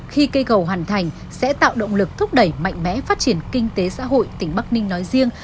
khi cây cầu hoàn thành sẽ tạo động lực thúc đẩy mạnh mẽ phát triển kinh tế xã hội tỉnh bắc ninh nói riêng